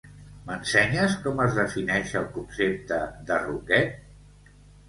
M'ensenyes com es defineix el concepte de roquet?